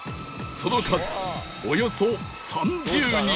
その数およそ３０人